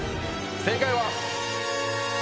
正解は。